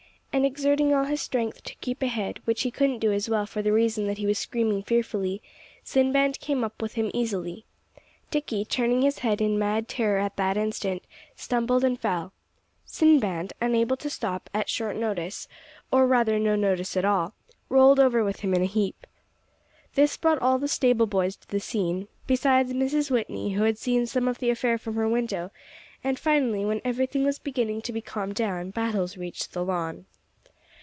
And exerting all his strength to keep ahead, which he couldn't do as well for the reason that he was screaming fearfully, Sinbad came up with him easily. Dicky, turning his head in mad terror at that instant, stumbled and fell. Sinbad, unable to stop at short notice, or rather no notice at all, rolled over with him in a heap. This brought all the stable boys to the scene, besides Mrs. Whitney who had seen some of the affair from her window; and finally, when everything was beginning to be calmed down, Battles reached the lawn.